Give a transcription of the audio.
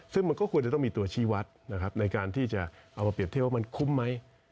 ซึ่งมันก็ควรจะต้องมีตัวชีวัตรนะครับในการที่จะเอามาเปรียบเทียบว่ามันคุ้มไหม